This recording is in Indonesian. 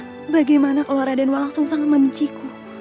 aku tak bisa berpikir bahwa radenwa langsung sangat memiciku